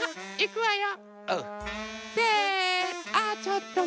いくわよ。